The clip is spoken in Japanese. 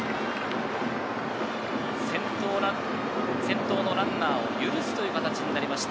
先頭のランナーを許す形になりました。